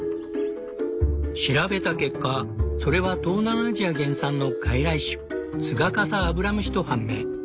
調べた結果それは東南アジア原産の外来種ツガカサアブラムシと判明。